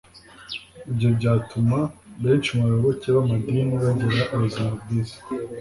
Ibyo byatuma benshi mu bayoboke b’amadini bagira ubuzima bwiza